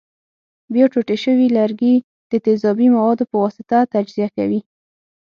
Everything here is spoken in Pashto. بیا ټوټې شوي لرګي د تیزابي موادو په واسطه تجزیه کوي.